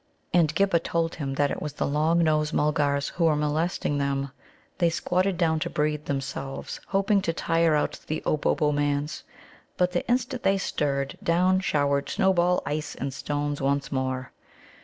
And Ghibba told him that it was the Long nose mulgars who were molesting them. They squatted down to breathe themselves, hoping to tire out the Obobbomans. But the instant they stirred, down showered snowball, ice, and stones once more.